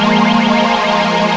terima kasih banyak pak haji